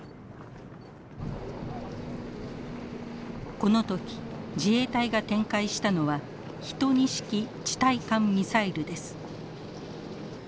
この時自衛隊が展開したのは１２式地対艦ミサイルです。